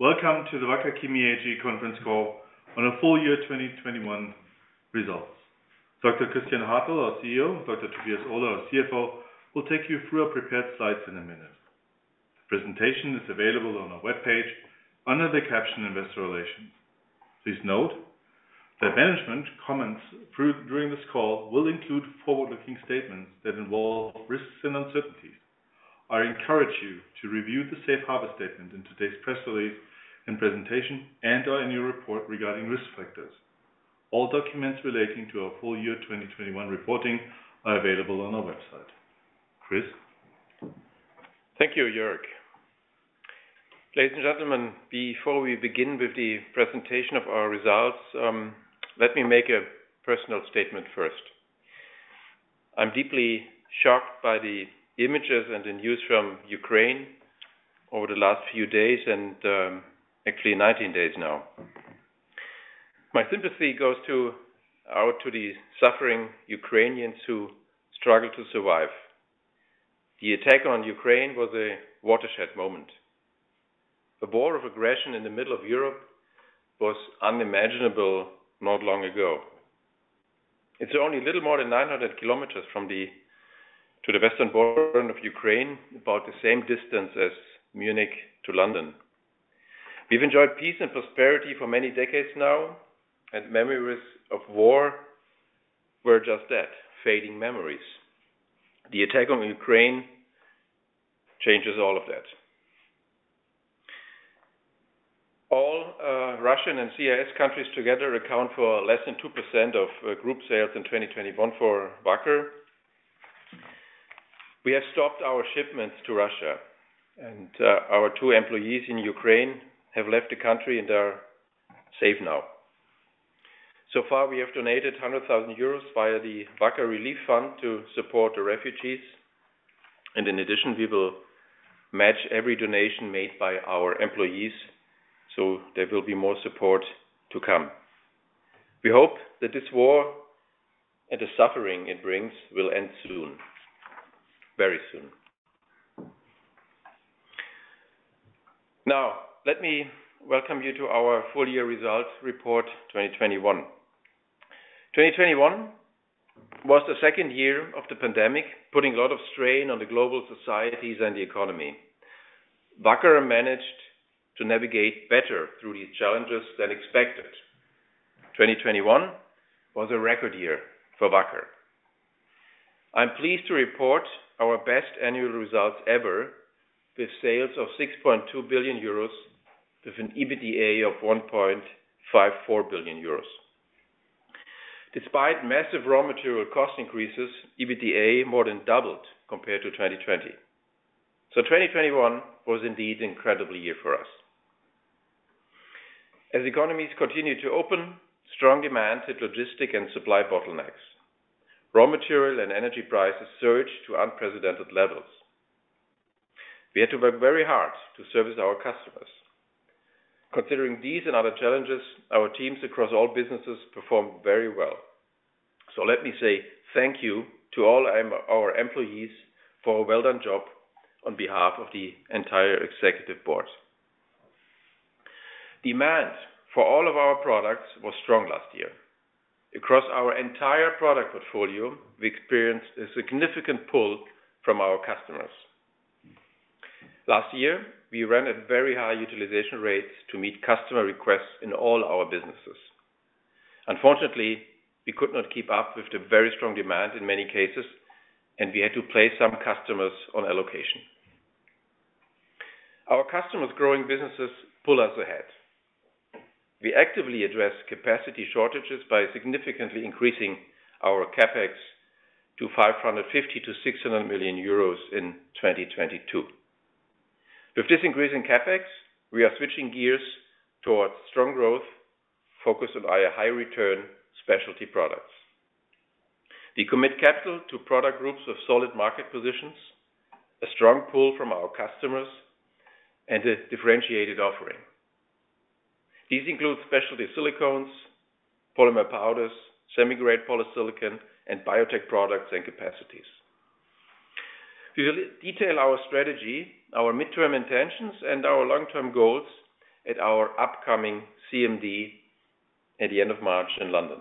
Welcome to the Wacker Chemie AG Conference Call on our Full Year 2021 Results. Dr. Christian Hartel, our CEO, and Dr. Tobias Ohler, our CFO, will take you through our prepared slides in a minute. The presentation is available on our webpage under the caption Investor Relations. Please note that management comments during this call will include forward-looking statements that involve risks and uncertainties. I encourage you to review the safe harbor statement in today's press release and presentation and/or in your report regarding risk factors. All documents relating to our full year 2021 reporting are available on our website. Chris? Thank you, Jörg. Ladies and gentlemen, before we begin with the presentation of our results, let me make a personal statement first. I'm deeply shocked by the images and the news from Ukraine over the last few days and, actually 19 days now. My sympathy goes out to the suffering Ukrainians who struggle to survive. The attack on Ukraine was a watershed moment. A war of aggression in the middle of Europe was unimaginable not long ago. It's only a little more than 900 km to the western border of Ukraine, about the same distance as Munich to London. We've enjoyed peace and prosperity for many decades now, and memories of war were just that, fading memories. The attack on Ukraine changes all of that. All Russian and CIS countries together account for less than 2% of group sales in 2021 for Wacker. We have stopped our shipments to Russia. Our two employees in Ukraine have left the country and are safe now. Far, we have donated 100,000 euros via the Wacker Relief Fund to support the refugees. In addition, we will match every donation made by our employees. There will be more support to come. We hope that this war and the suffering it brings will end soon, very soon. Let me welcome you to our full year results report 2021. 2021 was the second year of the pandemic, putting a lot of strain on the global societies and the economy. Wacker managed to navigate better through these challenges than expected. 2021 was a record year for Wacker. I'm pleased to report our best annual results ever, with sales of 6.2 billion euros, with an EBITDA of 1.54 billion euros. Despite massive raw material cost increases, EBITDA more than doubled compared to 2020. 2021 was indeed an incredible year for us. As economies continue to open, strong demand hit logistic and supply bottlenecks. Raw material and energy prices surged to unprecedented levels. We had to work very hard to service our customers. Considering these and other challenges, our teams across all businesses performed very well. Let me say thank you to all our employees for a well-done job on behalf of the entire executive board. Demand for all of our products was strong last year. Across our entire product portfolio, we experienced a significant pull from our customers. Last year, we ran at very high utilization rates to meet customer requests in all our businesses. Unfortunately, we could not keep up with the very strong demand in many cases, and we had to place some customers on allocation. Our customers' growing businesses pull us ahead. We actively address capacity shortages by significantly increasing our CapEx to 550-600 million euros in 2022. With this increase in CapEx, we are switching gears towards strong growth focused on our high-return specialty products. We commit capital to product groups with solid market positions, a strong pull from our customers, and a differentiated offering. These include specialty silicones, polymer powders, semi-grade polysilicon, and biotech products and capacities. We will detail our strategy, our midterm intentions, and our long-term goals at our upcoming CMD at the end of March in London.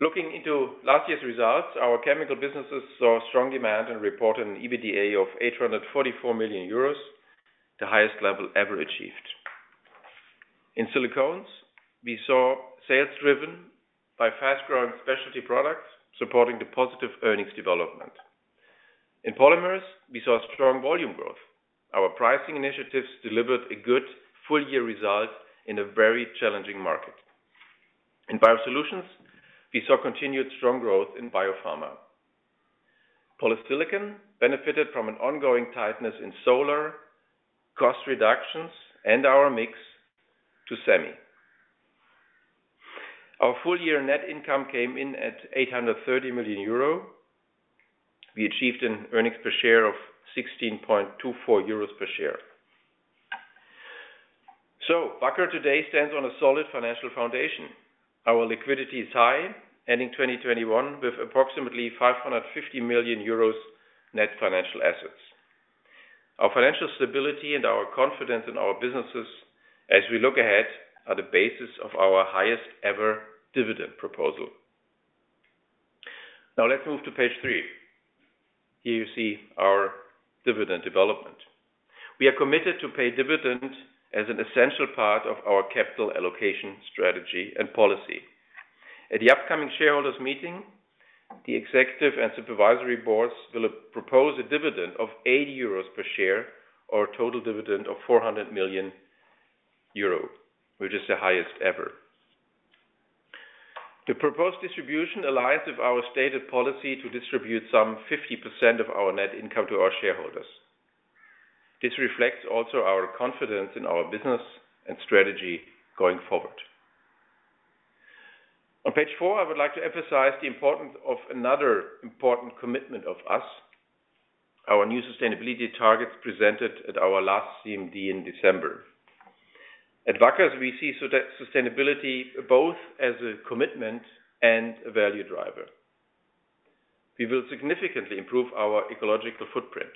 Looking into last year's results, our chemical businesses saw strong demand and reported an EBITDA of 844 million euros, the highest level ever achieved. In silicones, we saw sales driven by fast-growing specialty products supporting the positive earnings development. In Polymers, we saw strong volume growth. Our pricing initiatives delivered a good full-year result in a very challenging market. In Biosolutions, we saw continued strong growth in biopharma. Polysilicon benefited from an ongoing tightness in solar, cost reductions, and our mix to semi. Our full-year net income came in at 830 million euro. We achieved an earnings per share of 16.24 euros per share. Wacker today stands on a solid financial foundation. Our liquidity is high, ending 2021 with approximately 550 million euros net financial assets. Our financial stability and our confidence in our businesses as we look ahead are the basis of our highest ever dividend proposal. Let's move to page three. Here you see our dividend development. We are committed to pay dividends as an essential part of our capital allocation strategy and policy. At the upcoming shareholders meeting, the executive and supervisory boards will propose a dividend of 80 euros per share, or a total dividend of 400 million euro, which is the highest ever. The proposed distribution aligns with our stated policy to distribute some 50% of our net income to our shareholders. This reflects also our confidence in our business and strategy going forward. On page four, I would like to emphasize the importance of another important commitment of us, our new sustainability targets presented at our last CMD in December. At Wacker, we see sustainability both as a commitment and a value driver. We will significantly improve our ecological footprint.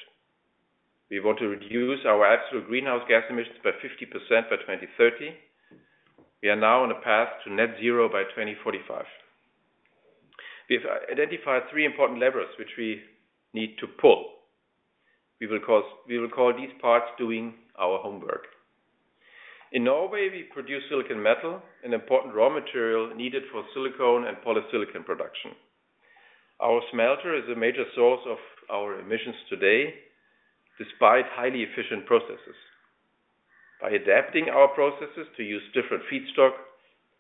We want to reduce our absolute greenhouse gas emissions by 50% by 2030. We are now on a path to net zero by 2045. We've identified three important levers which we need to pull. We will call these parts doing our homework. In Norway, we produce silicon metal, an important raw material needed for silicone and polysilicon production. Our smelter is a major source of our emissions today, despite highly efficient processes. By adapting our processes to use different feedstock,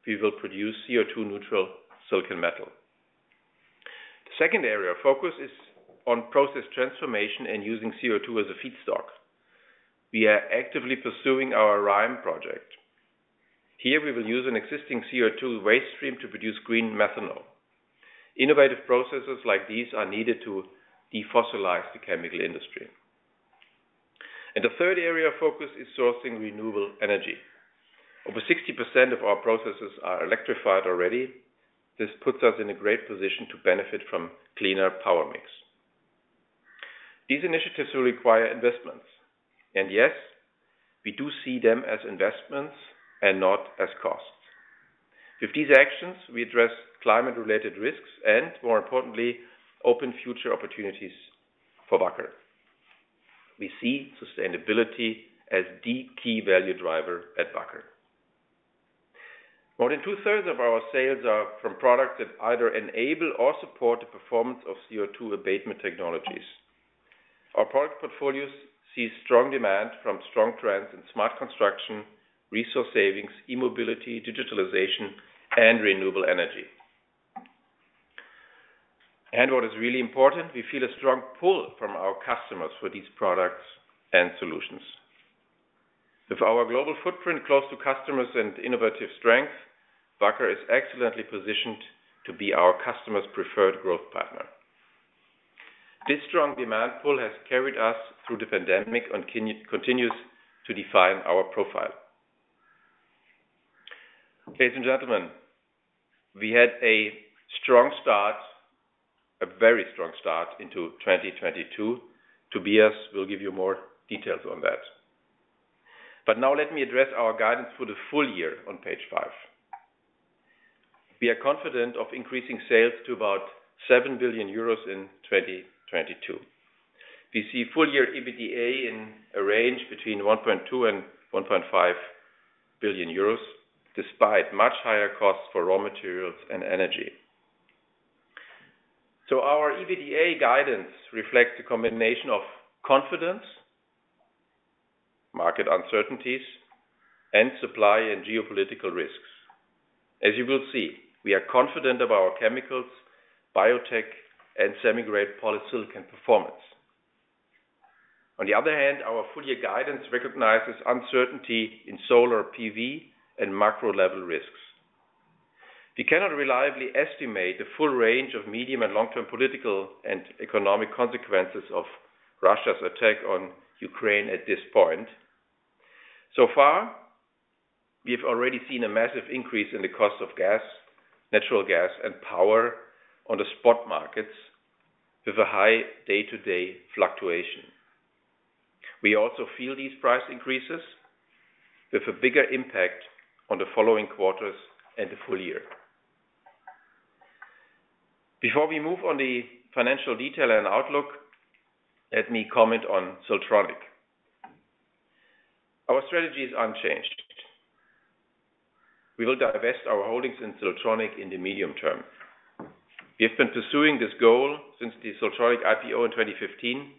we will produce CO2 neutral silicon metal. The second area of focus is on process transformation and using CO2 as a feedstock. We are actively pursuing our RHYME project. Here, we will use an existing CO2 waste stream to produce green methanol. Innovative processes like these are needed to defossilize the chemical industry. The third area of focus is sourcing renewable energy. Over 60% of our processes are electrified already. This puts us in a great position to benefit from cleaner power mix. These initiatives will require investments. Yes, we do see them as investments and not as costs. With these actions, we address climate-related risks, and more importantly, open future opportunities for Wacker. We see sustainability as the key value driver at Wacker. More than 2/3 of our sales are from products that either enable or support the performance of CO2 abatement technologies. Our product portfolios see strong demand from strong trends in smart construction, resource savings, e-mobility, digitalization, and renewable energy. What is really important, we feel a strong pull from our customers for these products and solutions. With our global footprint close to customers and innovative strength, Wacker is excellently positioned to be our customers' preferred growth partner. This strong demand pull has carried us through the pandemic and continues to define our profile. Ladies and gentlemen, we had a strong start, a very strong start into 2022. Tobias will give you more details on that. Now let me address our guidance for the full year on page five. We are confident of increasing sales to about 7 billion euros in 2022. We see full year EBITDA in a range between 1.2 and 1.5 billion euros, despite much higher costs for raw materials and energy. Our EBITDA guidance reflects a combination of confidence, market uncertainties, and supply and geopolitical risks. As you will see, we are confident of our chemicals, biotech, and semi-grade polysilicon performance. On the other hand, our full year guidance recognizes uncertainty in solar PV and macro level risks. We cannot reliably estimate the full range of medium and long-term political and economic consequences of Russia's attack on Ukraine at this point. So far, we have already seen a massive increase in the cost of gas, natural gas, and power on the spot markets with a high day-to-day fluctuation. We also feel these price increases with a bigger impact on the following quarters and the full year. Before we move on the financial detail and outlook, let me comment on Siltronic. Our strategy is unchanged. We will divest our holdings in Siltronic in the medium term. We have been pursuing this goal since the Siltronic IPO in 2015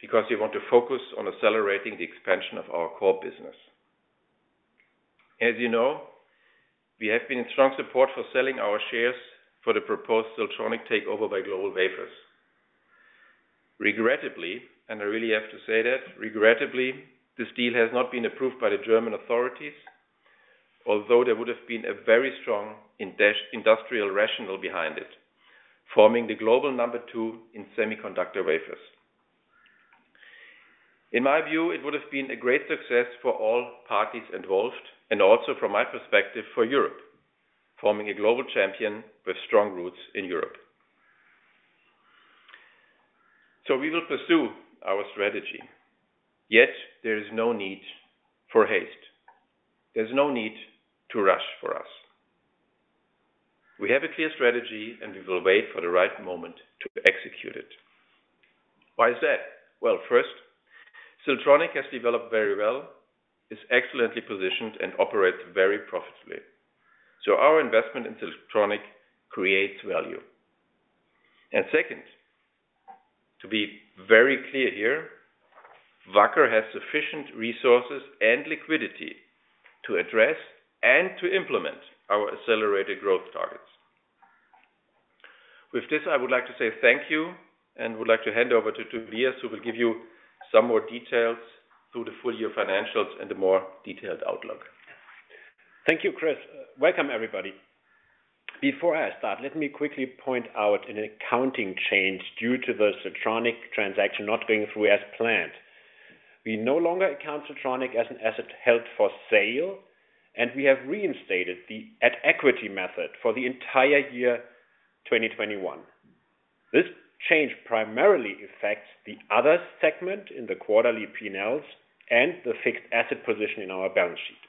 because we want to focus on accelerating the expansion of our core business. As you know, we have been in strong support for selling our shares for the proposed Siltronic takeover by GlobalWafers. Regrettably, this deal has not been approved by the German authorities, although there would have been a very strong industrial rationale behind it, forming the global number two in semiconductor wafers. In my view, it would have been a great success for all parties involved and also from my perspective, for Europe, forming a global champion with strong roots in Europe. We will pursue our strategy. Yet there is no need for haste. There's no need to rush for us. We have a clear strategy, and we will wait for the right moment to execute it. Why is that? Well, first, Siltronic has developed very well, is excellently positioned, and operates very profitably. Our investment in Siltronic creates value. Second, to be very clear here, Wacker has sufficient resources and liquidity to address and to implement our accelerated growth targets. With this, I would like to say thank you and would like to hand over to Tobias, who will give you some more details through the full year financials and a more detailed outlook. Thank you, Chris. Welcome, everybody. Before I start, let me quickly point out an accounting change due to the Siltronic transaction not going through as planned. We no longer account Siltronic as an asset held for sale, and we have reinstated the equity method for the entire year 2021. This change primarily affects the other segment in the quarterly P&Ls and the fixed asset position in our balance sheet.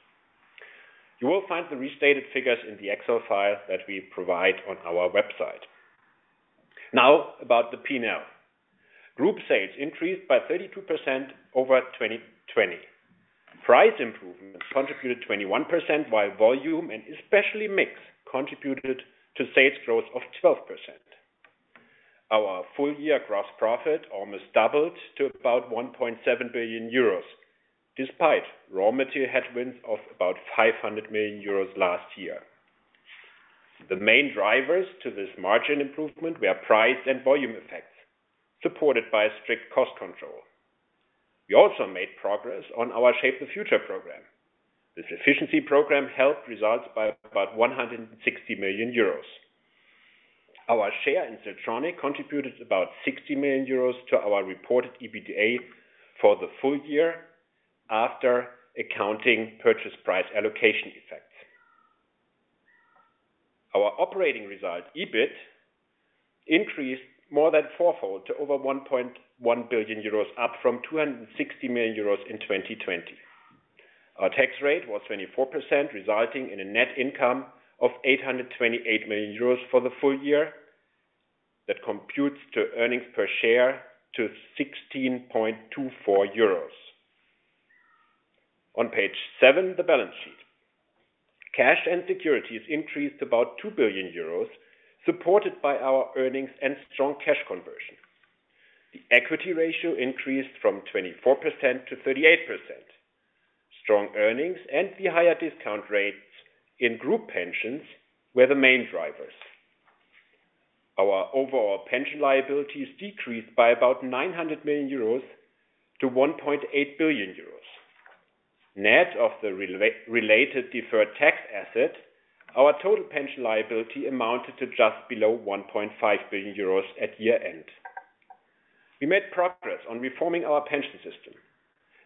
You will find the restated figures in the Excel file that we provide on our website. About the P&L. Group sales increased by 32% over 2020. Price improvements contributed 21% while volume and especially mix contributed to sales growth of 12%. Our full year gross profit almost doubled to about 1.7 billion euros, despite raw material headwinds of about 500 million euros last year. The main drivers to this margin improvement were price and volume effects, supported by a strict cost control. We also made progress on our Shape the Future program. This efficiency program helped results by about 160 million euros. Our share in Siltronic contributed about 60 million euros to our reported EBITDA for the full year after accounting purchase price allocation effects. Our operating results, EBIT, increased more than four-fold to over 1.1 billion euros, up from 260 million euros in 2020. Our tax rate was 24%, resulting in a net income of 828 million euros for the full year. That computes to earnings per share to 16.24 euros. On page 7, the balance sheet. Cash and securities increased about 2 billion euros, supported by our earnings and strong cash conversion. The equity ratio increased from 24% to 38%. Strong earnings and the higher discount rates in group pensions were the main drivers. Our overall pension liabilities decreased by about 900 million euros to 1.8 billion euros. Net of the related deferred tax asset, our total pension liability amounted to just below 1.5 billion euros at year-end. We made progress on reforming our pension system.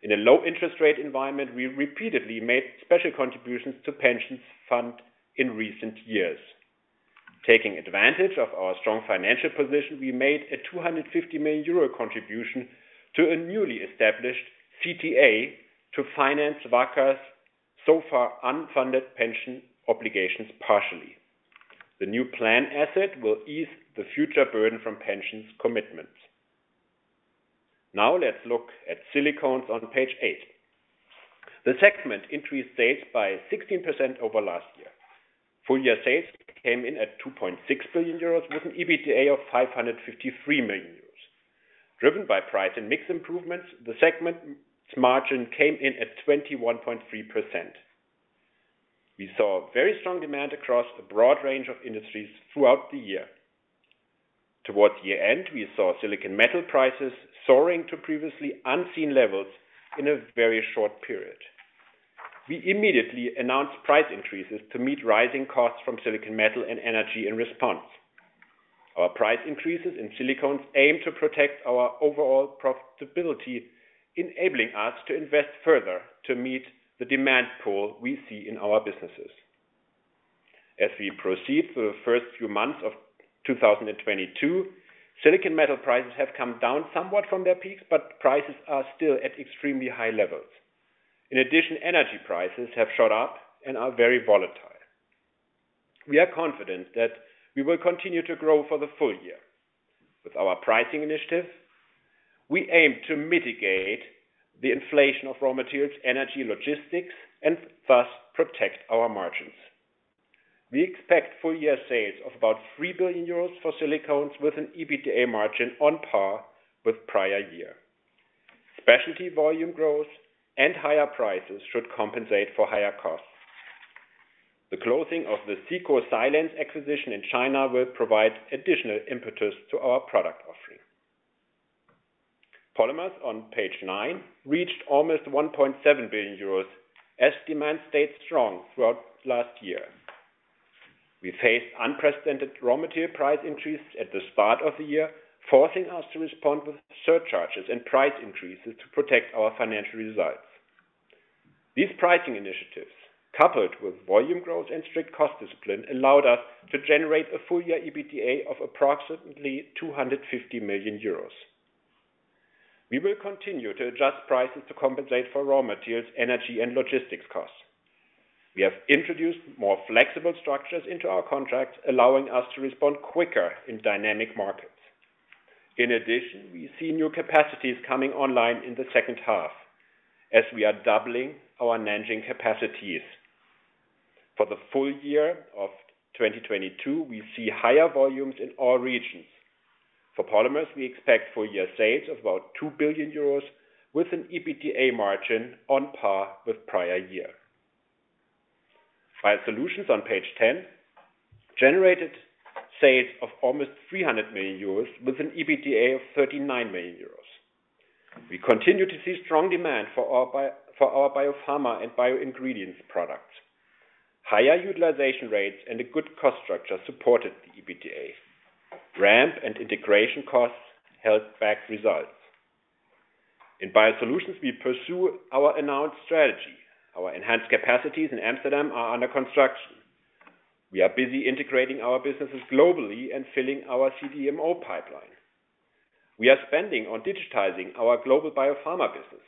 In a low interest rate environment, we repeatedly made special contributions to pensions fund in recent years. Taking advantage of our strong financial position, we made a 250 million euro contribution to a newly established CTA to finance Wacker's so far unfunded pension obligations partially. The new plan asset will ease the future burden from pensions commitments. Let's look at Silicones on page eight. The segment increased sales by 16% over last year. Full year sales came in at 2.6 billion euros with an EBITDA of 553 million euros. Driven by price and mix improvements, the segment's margin came in at 21.3%. We saw very strong demand across a broad range of industries throughout the year. Towards year-end, we saw silicon metal prices soaring to previously unseen levels in a very short period. We immediately announced price increases to meet rising costs from silicon metal and energy in response. Our price increases in silicones aim to protect our overall profitability, enabling us to invest further to meet the demand pool we see in our businesses. As we proceed through the first few months of 2022, silicon metal prices have come down somewhat from their peaks, but prices are still at extremely high levels. In addition, energy prices have shot up and are very volatile. We are confident that we will continue to grow for the full year. With our pricing initiative, we aim to mitigate the inflation of raw materials, energy, logistics, and thus protect our margins. We expect full year sales of about 3 billion euros for Silicones with an EBITDA margin on par with prior year. Specialty volume growth and higher prices should compensate for higher costs. The closing of the SICO Silanes acquisition in China will provide additional impetus to our product offering. Polymers on page nine reached almost 1.7 billion euros as demand stayed strong throughout last year. We faced unprecedented raw material price increases at the start of the year, forcing us to respond with surcharges and price increases to protect our financial results. These pricing initiatives, coupled with volume growth and strict cost discipline, allowed us to generate a full year EBITDA of approximately 250 million euros. We will continue to adjust prices to compensate for raw materials, energy and logistics costs. We have introduced more flexible structures into our contracts, allowing us to respond quicker in dynamic markets. We see new capacities coming online in the second half as we are doubling our Nanjing capacities. For the full year of 2022, we see higher volumes in all regions. For Polymers, we expect full year sales of about 2 billion euros with an EBITDA margin on par with prior year. Biosolutions on page 10 generated sales of almost 300 million euros with an EBITDA of 39 million euros. We continue to see strong demand for our biopharma and bio-ingredients products. Higher utilization rates and a good cost structure supported the EBITDA. Ramp and integration costs held back results. In Biosolutions, we pursue our announced strategy. Our enhanced capacities in Amsterdam are under construction. We are busy integrating our businesses globally and filling our CDMO pipeline. We are spending on digitizing our global biopharma business,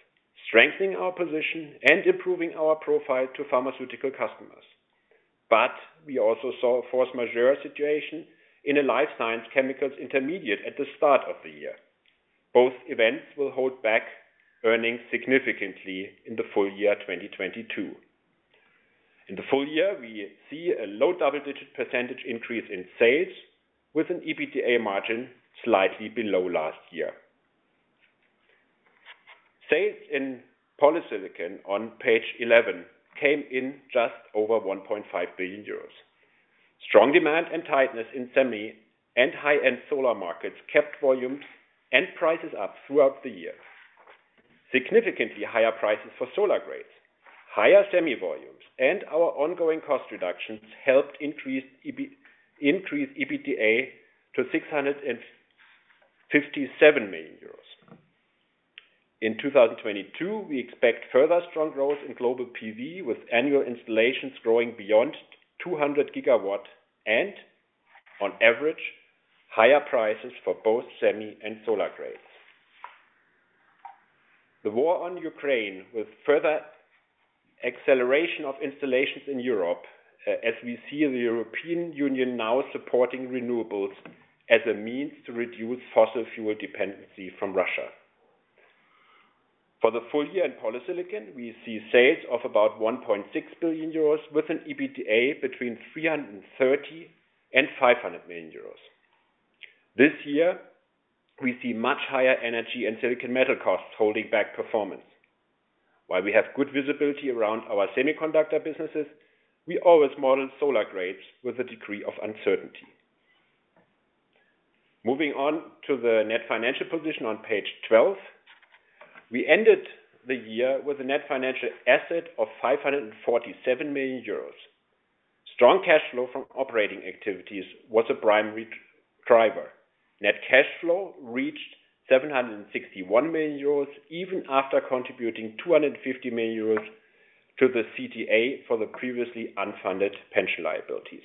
strengthening our position and improving our profile to pharmaceutical customers. We also saw a force majeure situation in a life science chemicals intermediate at the start of the year. Both events will hold back earnings significantly in the full year 2022. In the full year, we see a low double-digit % increase in sales with an EBITDA margin slightly below last year. Sales in Polysilicon on page 11 came in just over 1.5 billion euros. Strong demand and tightness in semi and high-end solar markets kept volumes and prices up throughout the year. Significantly higher prices for solar grades, higher semi volumes and our ongoing cost reductions helped increase EBITDA to 657 million euros. In 2022, we expect further strong growth in global PV, with annual installations growing beyond 200 GW and on average, higher prices for both semi and solar grades. The war on Ukraine will further acceleration of installations in Europe as we see the European Union now supporting renewables as a means to reduce fossil fuel dependency from Russia. For the full year in polysilicon, we see sales of about 1.6 billion euros with an EBITDA between 330 million and 500 million euros. This year, we see much higher energy and silicon metal costs holding back performance. While we have good visibility around our semiconductor businesses, we always model solar grades with a degree of uncertainty. Moving on to the net financial position on page 12. We ended the year with a net financial asset of 547 million euros. Strong cash flow from operating activities was a primary driver. Net cash flow reached 761 million euros even after contributing 250 million euros to the CTA for the previously unfunded pension liabilities.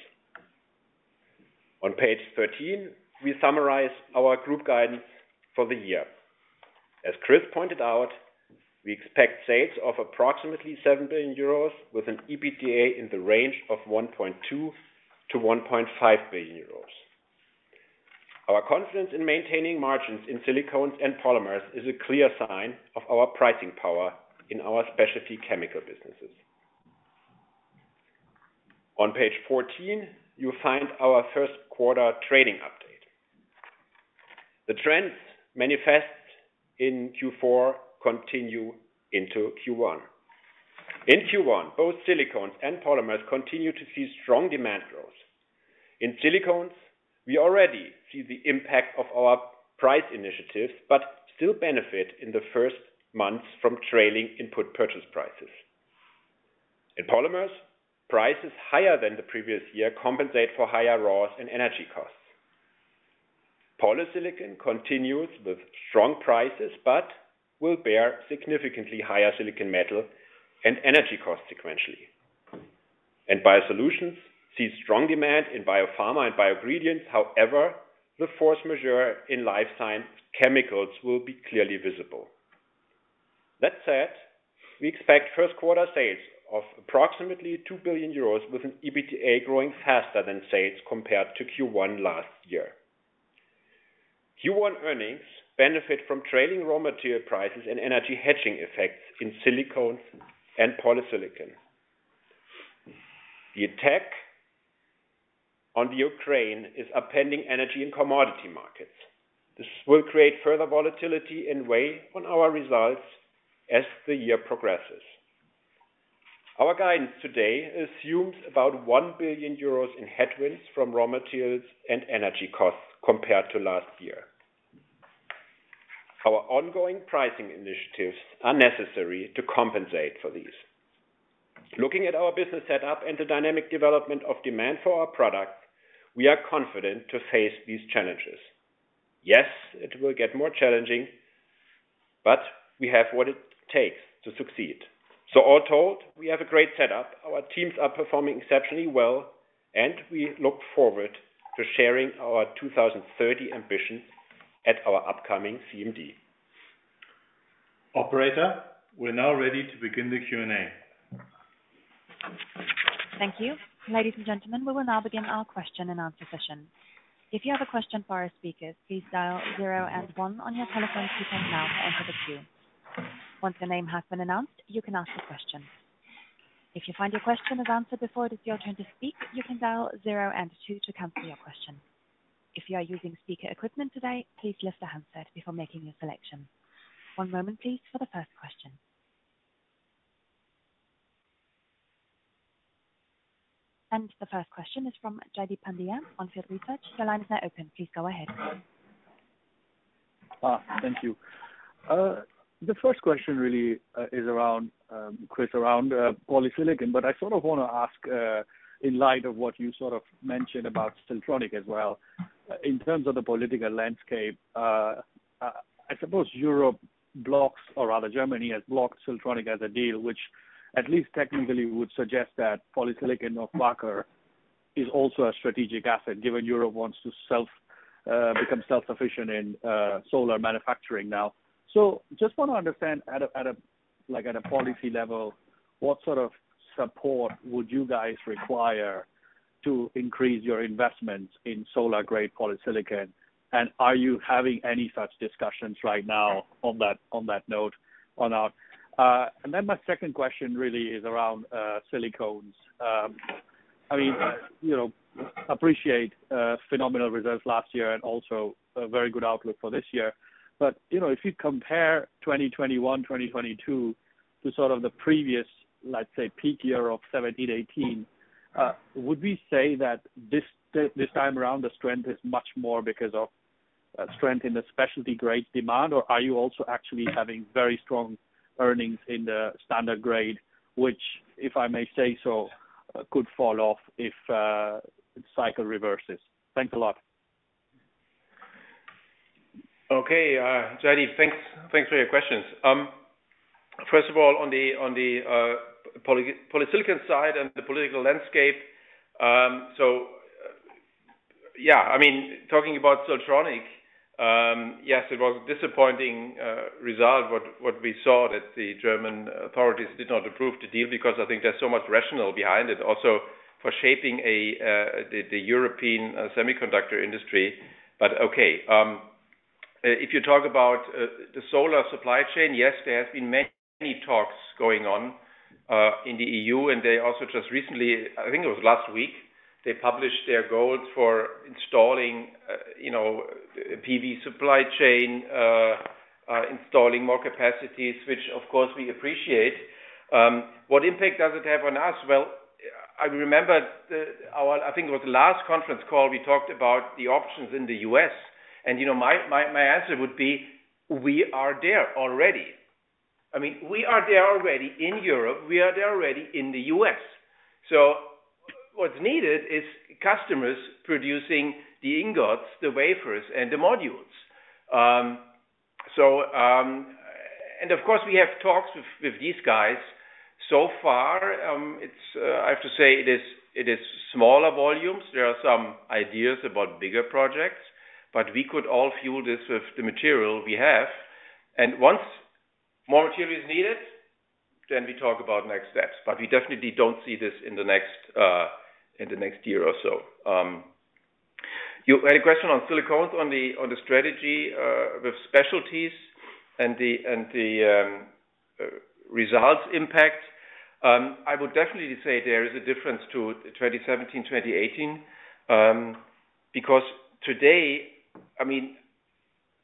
On page 13, we summarize our group guidance for the year. As Chris pointed out, we expect sales of approximately 7 billion euros with an EBITDA in the range of 1.2-1.5 billion euros. Our confidence in maintaining margins in silicones and polymers is a clear sign of our pricing power in our specialty chemical businesses. On page 14, you'll find our Q1 trading update. The trends manifest in Q4 continue into Q1. In Q1, both silicones and polymers continue to see strong demand growth. In silicones, we already see the impact of our price initiatives, but still benefit in the first months from trailing input purchase prices. In polymers, prices higher than the previous year compensate for higher raws and energy costs. Polysilicon continues with strong prices, but will bear significantly higher silicon metal and energy costs sequentially. Biosolutions sees strong demand in biopharma and bio-ingredients, however, the force majeure in life science chemicals will be clearly visible. That said, we expect Q1 sales of approximately 2 billion euros with an EBITDA growing faster than sales compared to Q1 last year. Q1 earnings benefit from trailing raw material prices and energy hedging effects in silicones and polysilicon. The attack on the Ukraine is upending energy and commodity markets. This will create further volatility and weigh on our results as the year progresses. Our guidance today assumes about 1 billion euros in headwinds from raw materials and energy costs compared to last year. Our ongoing pricing initiatives are necessary to compensate for these. Looking at our business setup and the dynamic development of demand for our product, we are confident to face these challenges. Yes, it will get more challenging, but we have what it takes to succeed. All told, we have a great setup. Our teams are performing exceptionally well, and we look forward to sharing our 2030 ambitions at our upcoming CMD. Operator, we're now ready to begin the Q&A. Thank you. Ladies and gentlemen, we will now begin our question and answer session. If you have a question for our speakers, please dial zero and one on your telephone keypad now to enter the queue. Once the name has been announced, you can ask a question. If you find your question is answered before it is your turn to speak, you can dial zero and two to cancel your question. If you are using speaker equipment today, please lift the handset before making your selection. One moment please, for the first question. The first question is from Jaideep Pandya, On Field Research. Your line is now open. Please go ahead. Thank you. The first question really is around Chris, around polysilicon. I sort of wanna ask, in light of what you sort of mentioned about Siltronic as well, in terms of the political landscape, I suppose Europe blocks or rather Germany has blocked Siltronic as a deal, which at least technically would suggest that polysilicon of Wacker is also a strategic asset, given Europe wants to become self-sufficient in solar manufacturing now. Just want to understand at a like at a policy level, what sort of support would you guys require to increase your investment in solar grade polysilicon? Are you having any such discussions right now on that note? My second question really is around silicones. I mean, you know, appreciate phenomenal results last year and also a very good outlook for this year. You know, if you compare 2021, 2022 to sort of the previous, let's say, peak year of 2017, 2018, would we say that this time around, the strength is much more because of strength in the specialty grade demand, or are you also actually having very strong earnings in the standard grade, which, if I may say so, could fall off if the cycle reverses? Thanks a lot. Okay. Jaideep, thanks for your questions. First of all, on the Polysilicon side and the political landscape. Yeah. I mean, talking about Siltronic AG, yes, it was disappointing result, what we saw that the German authorities did not approve the deal because I think there's so much rationale behind it also for shaping the European semiconductor industry. Okay. If you talk about the solar supply chain, yes, there have been many talks going on in the E.U.. They also just recently, I think it was last week, they published their goals for installing, you know, PV supply chain, installing more capacities, which of course we appreciate. What impact does it have on us? Well, I remember the... Our, I think it was the last conference call, we talked about the options in the U.S., and, you know, my answer would be we are there already. I mean, we are there already in Europe. We are there already in the U.S.. What's needed is customers producing the ingots, the wafers and the modules. Of course we have talks with these guys. So far, it's, I have to say, it is smaller volumes. There are some ideas about bigger projects, but we could all fuel this with the material we have. Once more material is needed, then we talk about next steps. We definitely don't see this in the next year or so. You had a question on silicones on the strategy with specialties and the results impact. I would definitely say there is a difference to 2017, 2018, because today, I mean,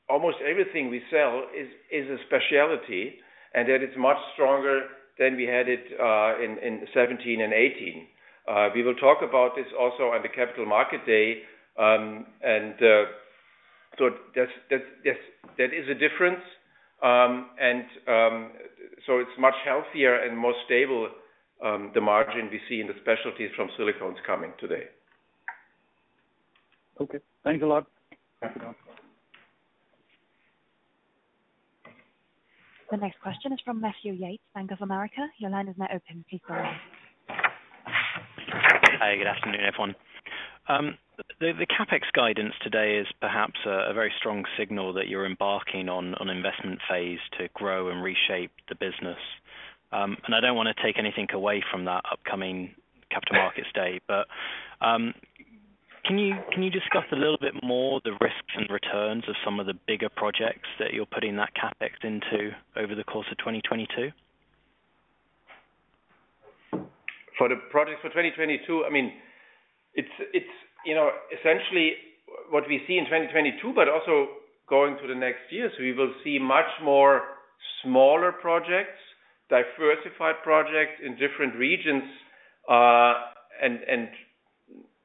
almost everything we sell is a specialty and that it's much stronger than we had it in 17 and 18. We will talk about this also on the Capital Market Day. That's, yes, that is a difference. It's much healthier and more stable, the margin we see in the specialties from silicones coming today. Okay. Thanks a lot. Thank you. The next question is from Matthew Yates, Bank of America. Your line is now open. Please go ahead. Hey, good afternoon, everyone. The CapEx guidance today is perhaps a very strong signal that you're embarking on an investment phase to grow and reshape the business. I don't wanna take anything away from that upcoming Capital Markets Day. Can you discuss a little bit more the risks and returns of some of the bigger projects that you're putting that CapEx into over the course of 2022? For the projects for 2022, I mean, it's, you know, essentially what we see in 2022, but also going to the next year. We will see much more smaller projects, diversified projects in different regions, and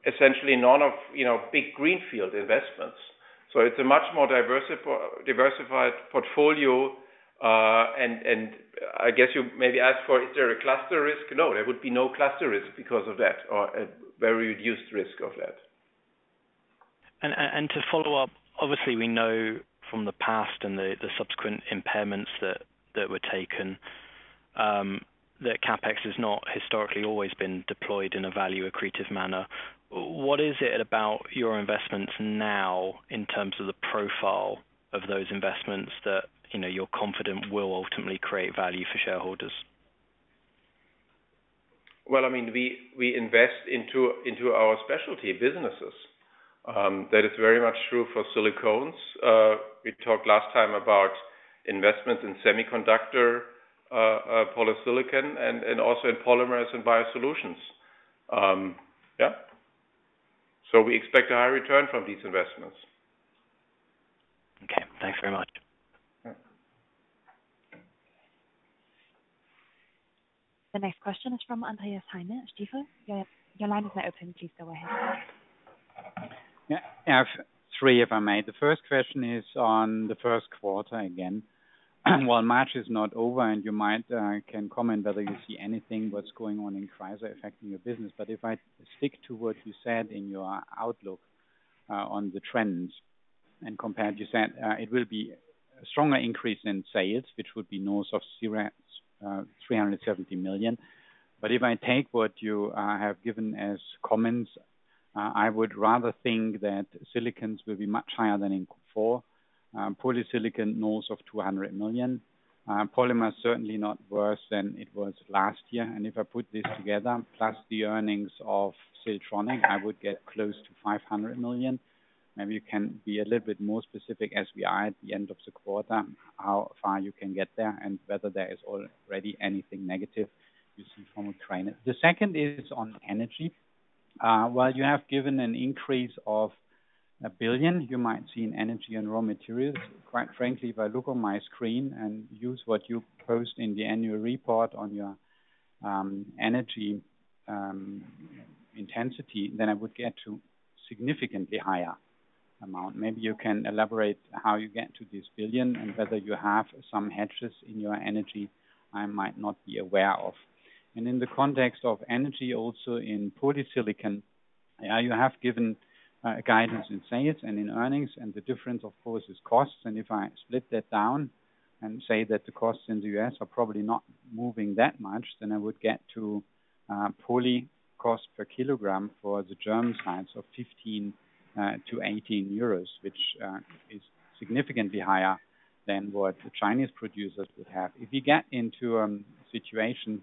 essentially none of, you know, big greenfield investments. It's a much more diversified portfolio. I guess you maybe ask for is there a cluster risk? No, there would be no cluster risk because of that, or a very reduced risk of that. To follow-up, obviously we know from the past and the subsequent impairments that were taken, that CapEx has not historically always been deployed in a value accretive manner. What is it about your investments now in terms of the profile of those investments that, you know, you're confident will ultimately create value for shareholders? Well, I mean, we invest into our specialty businesses. That is very much true for silicones. We talked last time about investments in semiconductor Polysilicon and also in Polymers and Biosolutions. We expect a high return from these investments. Okay. Thanks very much. Yeah. The next question is from Andreas Heine, Stifel. Your line is now open. Please go ahead. Yeah. I have three, if I may. The first question is on the Q1 again. While March is not over and you might can comment whether you see anything what's going on in crisis affecting your business. If I stick to what you said in your outlook on the trends and compared, you said it will be a stronger increase in sales, which would be north of 370 million. If I take what you have given as comments, I would rather think that Silicones will be much higher than in Q4. Polysilicon north of 200 million. Polymers certainly not worse than it was last year. If I put this together, plus the earnings of Siltronic, I would get close to 500 million. Maybe you can be a little bit more specific as we are at the end of the quarter, how far you can get there and whether there is already anything negative you see from China. The second is on energy. While you have given an increase of 1 billion, you might see in energy and raw materials, quite frankly, if I look on my screen and use what you post in the annual report on your energy intensity, then I would get to significantly higher amount. Maybe you can elaborate how you get to this 1 billion and whether you have some hedges in your energy I might not be aware of. In the context of energy also in polysilicon, you have given guidance in sales and in earnings, and the difference of course is costs. If I split that down and say that the costs in the U.S. are probably not moving that much, then I would get to Polysilicon cost per kilogram for the German side, so 15 to 18 euros, which is significantly higher than what the Chinese producers would have. If you get into a situation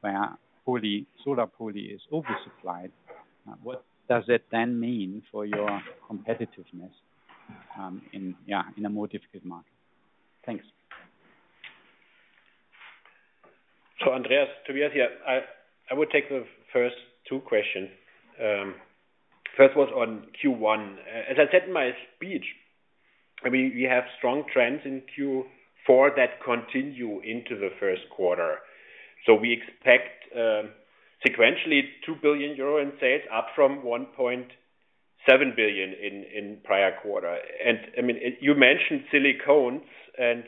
where solar Polysilicon is oversupplied, what does that then mean for your competitiveness in, yeah, in a more difficult market? Thanks. Andreas, I would take the first two questions. First was on Q1. As I said in my speech, I mean, we have strong trends in Q4 that continue into the Q1. So we expect sequentially 2 billion euro in sales, up from 1.7 billion in prior quarter. And I mean, you mentioned silicones and,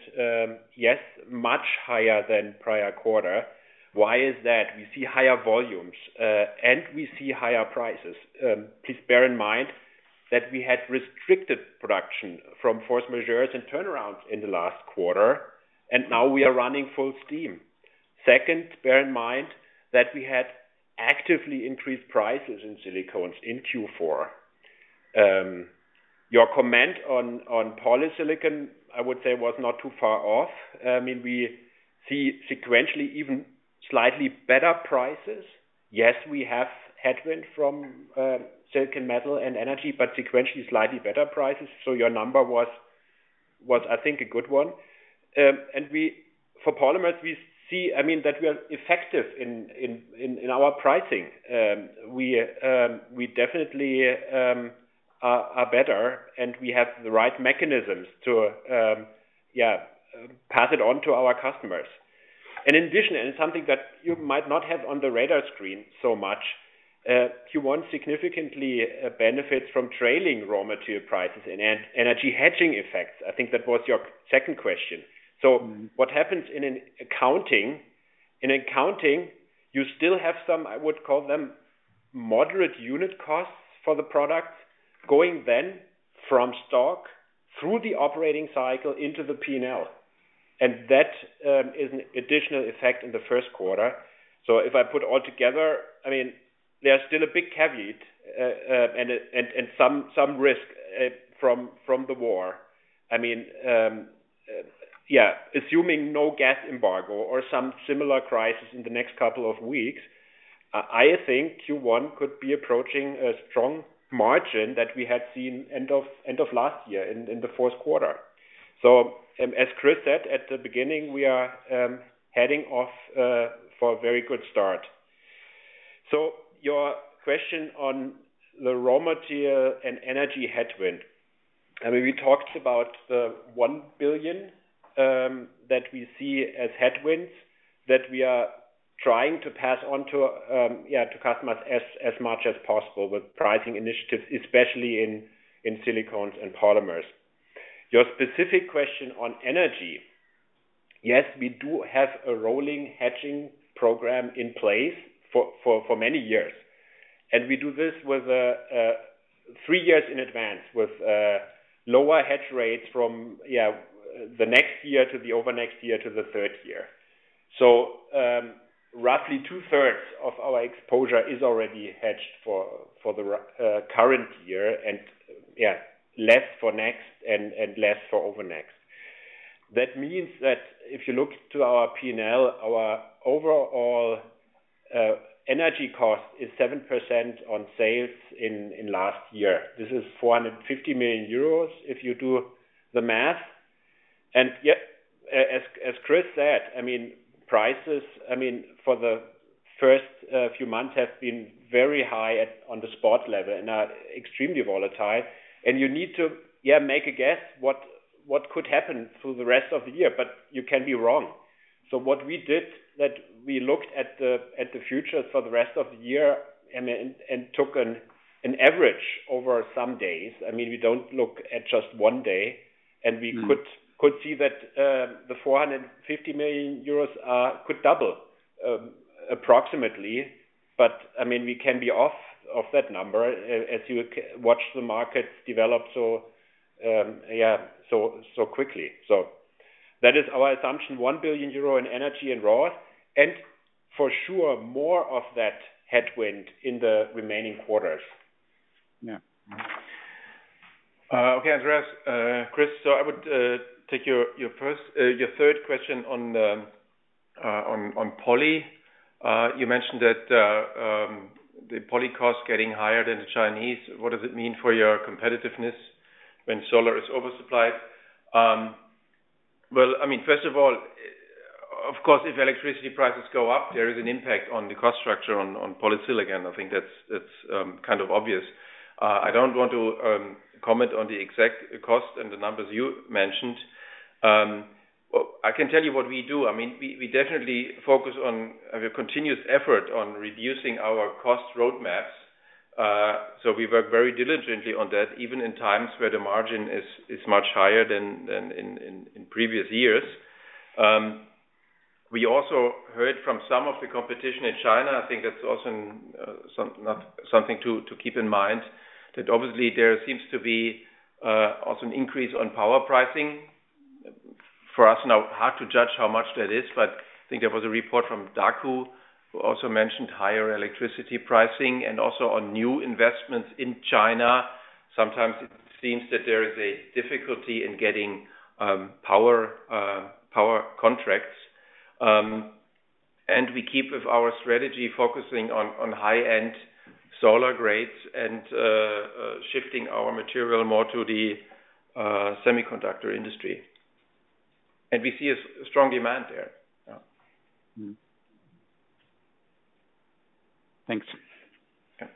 yes, much higher than prior quarter. Why is that? We see higher volumes and we see higher prices. Please bear in mind that we had restricted production from force majeures and turnarounds in the last quarter, and now we are running full steam. Second, bear in mind that we had actively increased prices in silicones in Q4. Your comment on Polysilicon, I would say was not too far off. I mean, we see sequentially even slightly better prices. Yes, we have headwind from silicon metal and energy, but sequentially slightly better prices. Your number was, I think, a good one. For Polymers, we see, I mean, that we are effective in our pricing. We definitely are better, and we have the right mechanisms to, yeah, pass it on to our customers. In addition, and something that you might not have on the radar screen so much, Q1 significantly benefits from trailing raw material prices and energy hedging effects. I think that was your second question. What happens in an accounting? In accounting, you still have some, I would call them moderate unit costs for the product going then from stock through the operating cycle into the P&L. That is an additional effect in the Q1. If I put all together, I mean, there's still a big caveat, and some risk from the war. I mean, yeah, assuming no gas embargo or some similar crisis in the next couple of weeks, I think Q1 could be approaching a strong margin that we had seen end of last year in the Q4. As Chris said at the beginning, we are heading off for a very good start. Your question on the raw material and energy headwind. I mean, we talked about the 1 billion that we see as headwinds that we are trying to pass on to, yeah, to customers as much as possible with pricing initiatives, especially in silicones and Polymers. Your specific question on energy. Yes, we do have a rolling hedging program in place for many years. We do this with three years in advance with lower hedge rates from, yeah, the next year to the over next year to the third year. Roughly 2/3 of our exposure is already hedged for the current year and, yeah, less for next and less for over next. That means that if you look to our P&L, our overall energy cost is 7% on sales in last year. This is 450 million euros if you do the math. Yeah, as Chris said, I mean, prices, I mean, for the first few months have been very high at, on the spot level and are extremely volatile. You need to make a guess what could happen through the rest of the year, but you can be wrong. What we did that we looked at the future for the rest of the year and took an average over some days. I mean, we don't look at just one day. We could see that the 450 million euros could double approximately. I mean, we can be off of that number as you watch the markets develop so quickly. That is our assumption, 1 billion euro in energy and raw, and for sure, more of that headwind in the remaining quarters. Yeah. Okay, Andreas. Chris, I would take your first, your third question on the on poly. You mentioned that the poly cost getting higher than the Chinese. What does it mean for your competitiveness when solar is oversupplied? Well, I mean, first of all, of course, if electricity prices go up, there is an impact on the cost structure on polysilicon. I think that's kind of obvious. I don't want to comment on the exact cost and the numbers you mentioned. I can tell you what we do. I mean, we definitely focus on our continuous effort on reducing our cost roadmaps. We work very diligently on that, even in times where the margin is much higher than in previous years. We also heard from some of the competition in China. I think that's also something to keep in mind that obviously there seems to be also an increase on power pricing. For us now, hard to judge how much that is, but I think there was a report from Daqo who also mentioned higher electricity pricing and also on new investments in China. Sometimes it seems that there is a difficulty in getting power contracts. We keep with our strategy, focusing on high-end solar grades and shifting our material more to the semiconductor industry. We see a strong demand there. Yeah. Mm-hmm. Thanks. Yeah.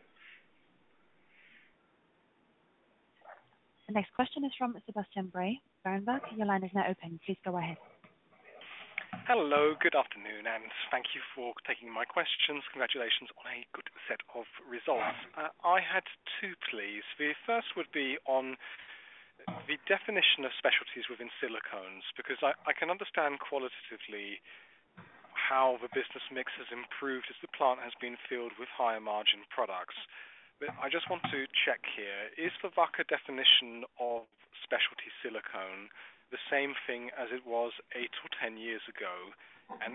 The next question is from Sebastian Bray. Berenberg, your line is now open. Please go ahead. Hello, good afternoon, thank you for taking my questions. Congratulations on a good set of results. I had two, please. The first would be on the definition of specialties within silicones, because I can understand qualitatively how the business mix has improved as the plant has been filled with higher margin products. I just want to check here, is the Wacker definition of specialty silicone the same thing as it was 8 or 10 years ago?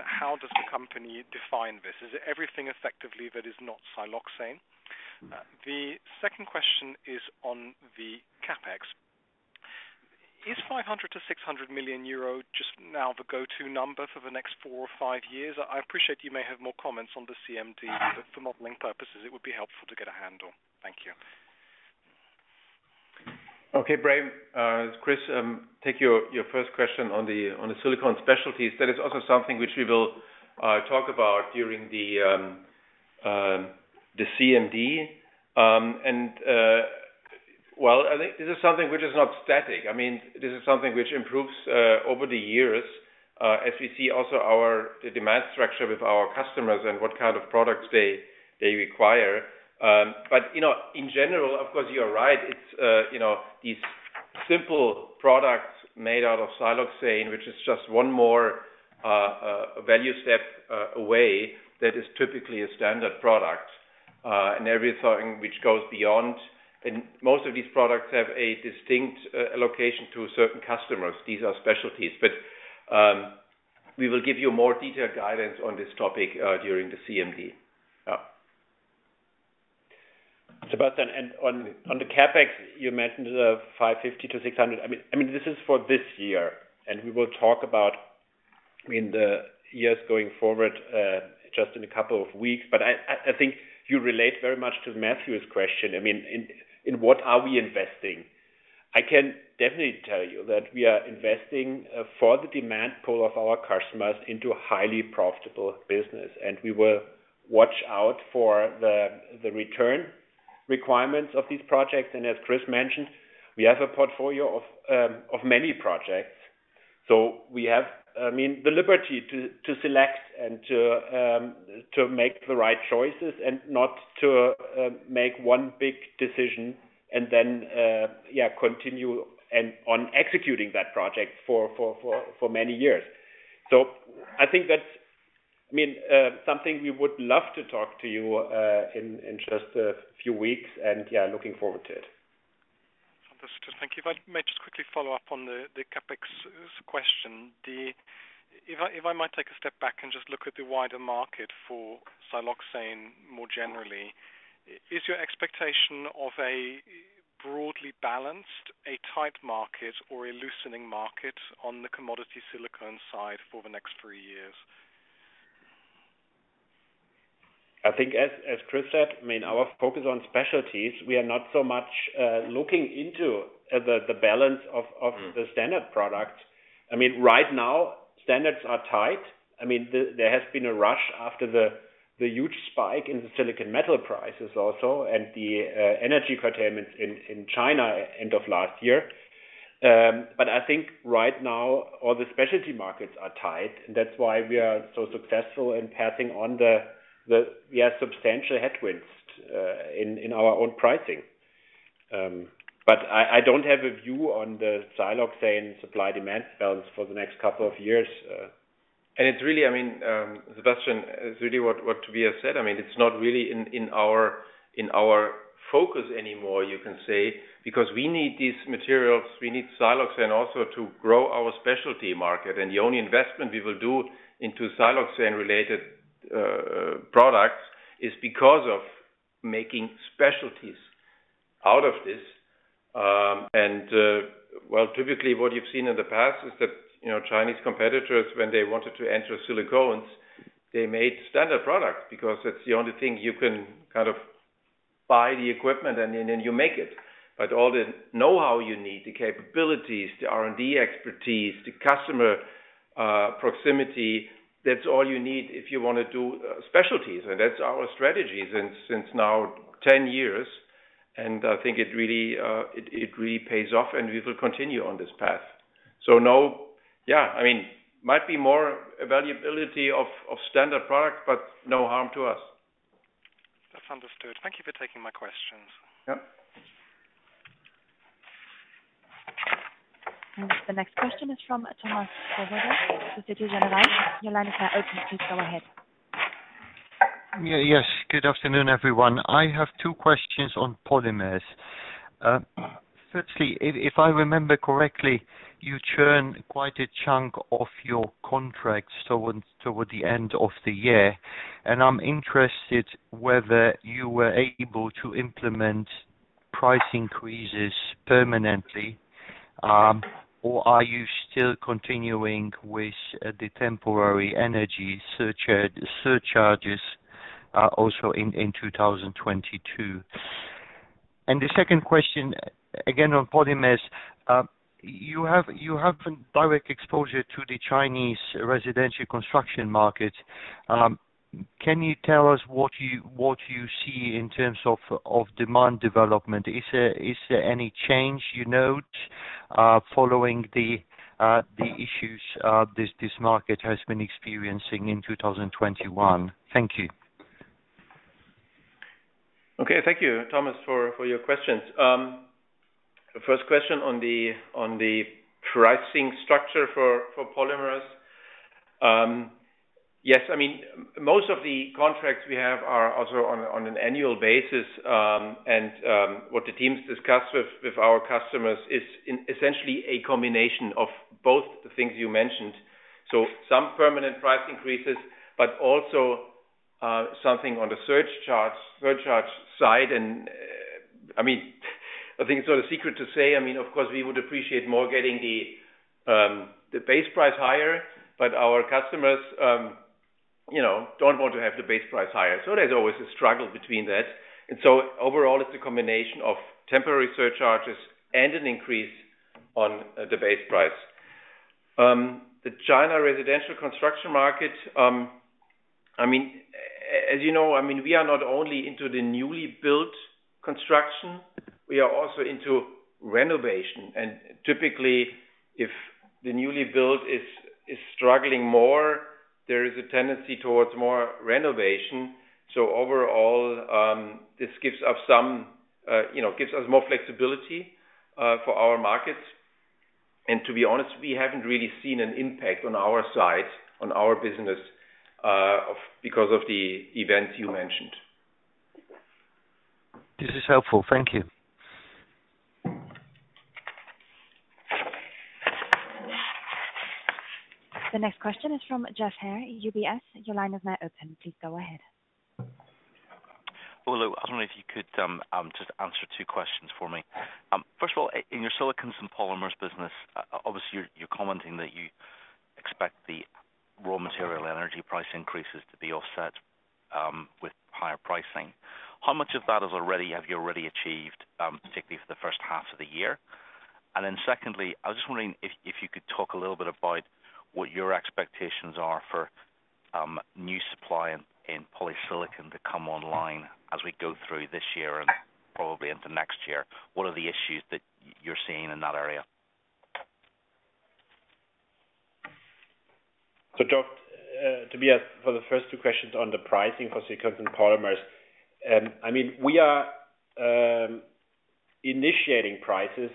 How does the company define this? Is it everything effectively that is not siloxane? The second question is on the CapEx. Is 500-600 million euro just now the go-to number for the next four or five years? I appreciate you may have more comments on the CMD, but for modeling purposes, it would be helpful to get a handle. Thank you. Okay, Bray. It's Chris, take your first question on the silicone specialties. That is also something which we will talk about during the CMD. Well, I think this is something which is not static. I mean, this is something which improves over the years, as we see also our, the demand structure with our customers and what kind of products they require. You know, in general, of course, you're right. It's, you know, these simple products made out of siloxane, which is just one more value step away that is typically a standard product, and everything which goes beyond. Most of these products have a distinct allocation to certain customers. These are specialties. We will give you more detailed guidance on this topic during the CMD. Yeah. Sebastian, on the CapEx, you mentioned 550-600. I mean, this is for this year, we will talk about, I mean, the years going forward, just in a couple of weeks. I think you relate very much to Matthew's question. I mean, in what are we investing? I can definitely tell you that we are investing for the demand pool of our customers into a highly profitable business, we will watch out for the return requirements of these projects. As Chris mentioned, we have a portfolio of many projects. We have, I mean, the liberty to select and to make the right choices and not to make one big decision and then continue and on executing that project for many years. I think that's, I mean, something we would love to talk to you in just a few weeks, and looking forward to it. Understood. Thank you. If I may just quickly follow up on the CapEx question. If I might take a step back and just look at the wider market for siloxane more generally, is your expectation of a broadly balanced, a tight market, or a loosening market on the commodity silicone side for the next three years? I think as Chris said, I mean, our focus on specialties, we are not so much looking into the balance of the standard product. I mean, right now standards are tight. I mean, there has been a rush after the huge spike in the silicon metal prices also and the energy curtailment in China end of last year. I think right now all the specialty markets are tight, and that's why we are so successful in passing on the, yeah, substantial headwinds in our own pricing. I don't have a view on the siloxane supply demand balance for the next couple of years. It's really, I mean, Sebastian, it's really what Tobias said. I mean, it's not really in our focus anymore, you can say, because we need these materials, we need siloxane also to grow our specialty market. The only investment we will do into siloxane related products is because of making specialties out of this. Well, typically what you've seen in the past is that, you know, Chinese competitors, when they wanted to enter silicones, they made standard products because that's the only thing you can kind of buy the equipment and then you make it. All the know-how you need, the capabilities, the R&D expertise, the customer proximity, that's all you need if you wanna do specialties. That's our strategy since now 10 years. I think it really pays off, and we will continue on this path. No, yeah, I mean, might be more availability of standard product, but no harm to us. That's understood. Thank you for taking my questions. Yep. The next question is from Thomas Swoboda, Societe Generale. Your line is now open. Please go ahead. Yes, good afternoon, everyone. I have two questions on polymers. Firstly, if I remember correctly, you churn quite a chunk of your contracts toward the end of the year. I'm interested whether you were able to implement price increases permanently, or are you still continuing with the temporary energy surcharges also in 2022? The second question, again on polymers. You have direct exposure to the Chinese residential construction market. Can you tell us what you see in terms of demand development? Is there any change you note following the issues this market has been experiencing in 2021? Thank you. Okay. Thank you, Thomas, for your questions. The first question on the pricing structure for Polymers. Yes. I mean, most of the contracts we have are also on an annual basis. What the teams discuss with our customers is in essentially a combination of both the things you mentioned. Some permanent price increases, but also, something on the surcharge side. I mean, I think it's not a secret to say, I mean, of course, we would appreciate more getting the base price higher, but our customers, you know, don't want to have the base price higher. So there's always a struggle between that. Overall, it's a combination of temporary surcharges and an increase on the base price. The China residential construction market, I mean, as you know, I mean, we are not only into the newly built construction, we are also into renovation. Typically, if the newly built is struggling more, there is a tendency towards more renovation. Overall, this gives us some, you know, gives us more flexibility, for our markets. To be honest, we haven't really seen an impact on our side, on our business, because of the events you mentioned. This is helpful. Thank you. The next question is from Geoff Haire, UBS. Your line is now open. Please go ahead. Hello. I was wondering if you could just answer two questions for me. First of all, in your silicones and Polymers business, obviously you're commenting that you expect the raw material energy price increases to be offset with higher pricing. How much of that have you already achieved particularly for the first half of the year? Secondly, I was just wondering if you could talk a little bit about what your expectations are for, new supply in polysilicon to come online as we go through this year and probably into next year. What are the issues that you're seeing in that area? Geoff, It's Tobias, for the first two questions on the pricing for silicones and Polymers. We are initiating prices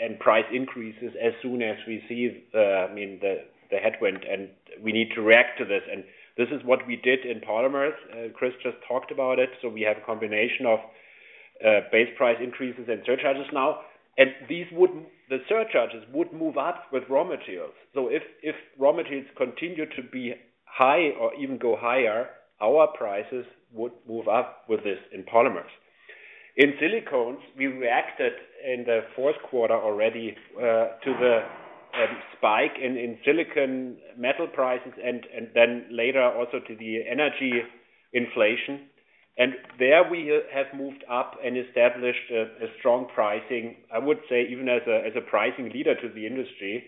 and price increases as soon as we see the headwind, and we need to react to this. This is what we did in Polymers. Chris just talked about it. We have a combination of base price increases and surcharges now. The surcharges would move up with raw materials. If raw materials continue to be high or even go higher, our prices would move up with this in Polymers. In silicones, we reacted in the Q4 already to the spike in silicon metal prices and then later also to the energy inflation. There we have moved up and established a strong pricing, I would say, even as a pricing leader to the industry.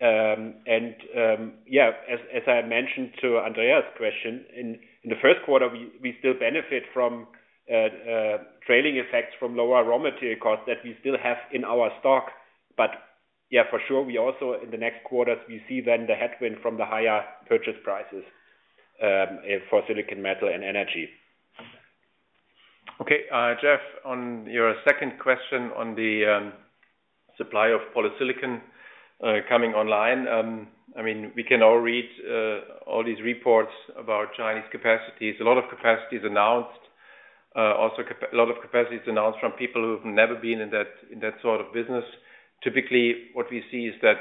Yeah, as I mentioned to Andreas' question, in the Q1, we still benefit from trailing effects from lower raw material costs that we still have in our stock. Yeah, for sure, we also in the next quarters, we see then the headwind from the higher purchase prices for silicon metal and energy. Okay. Okay, Jeff, on your second question on the supply of Polysilicon coming online. I mean, we can all read all these reports about Chinese capacities. A lot of capacities announced. Also a lot of capacities announced from people who've never been in that, in that sort of business. Typically, what we see is that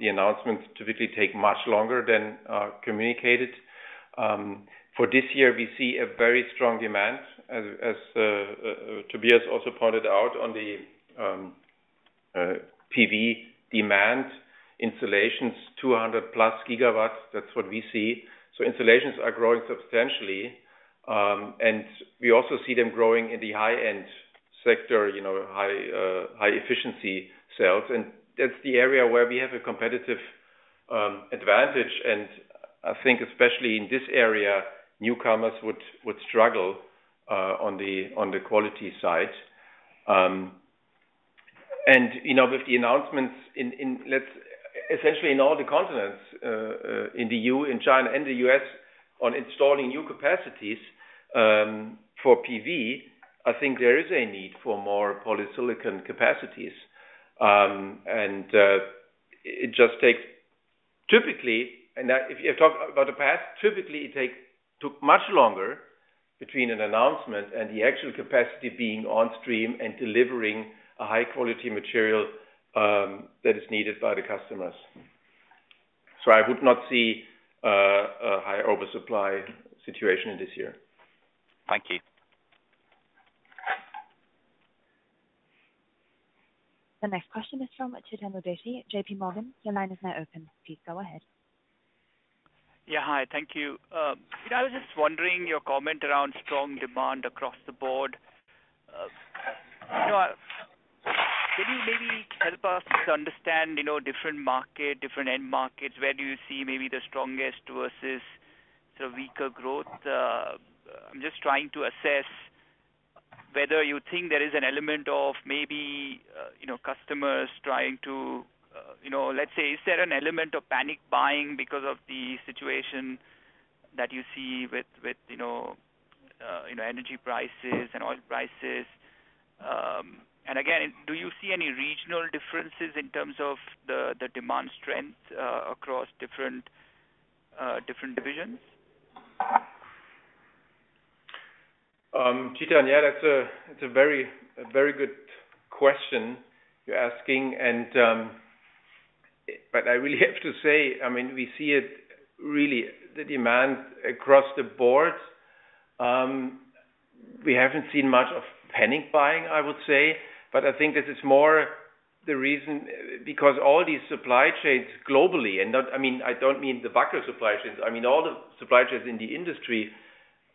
the announcements typically take much longer than communicated. For this year, we see a very strong demand as Tobias also pointed out on the PV demand installations, 200+ gigawatts. That's what we see. Installations are growing substantially, and we also see them growing in the high-end sector, you know, high efficiency sales. That's the area where we have a competitive advantage. I think especially in this area, newcomers would struggle on the quality side. You know, with the announcements in, essentially in all the continents, in China and the U.S. on installing new capacities, for PV, I think there is a need for more polysilicon capacities. Typically, and, if you talk about the past, typically, it took much longer between an announcement and the actual capacity being on stream and delivering a high-quality material that is needed by the customers. I would not see a high oversupply situation this year. Thank you. The next question is from Chetan Udeshi, JPMorgan. Your line is now open. Please go ahead. Hi, thank you. you know, I was just wondering your comment around strong demand across the board. you know, can you maybe help us to understand, you know, different market, different end markets? Where do you see maybe the strongest versus the weaker growth? I'm just trying to assess whether you think there is an element of maybe, you know, customers trying to... Let's say, is there an element of panic buying because of the situation that you see with, you know, energy prices and oil prices? Do you see any regional differences in terms of the demand strength across different divisions? Chetan, that's a very, very good question you're asking. I really have to say, I mean, we see it really the demand across the board. We haven't seen much of panic buying, I would say. I think this is more the reason because all these supply chains globally, and not, I mean, I don't mean the Wacker supply chains. I mean, all the supply chains in the industry